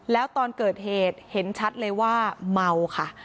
แล้วตอนเกิดเหตุเห็นชัดเลยว่าเมาค่ะ